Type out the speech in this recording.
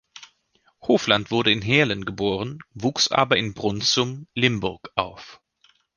Hofland wurde in Heerlen geboren, wuchs aber in Brunssum, Limburg auf.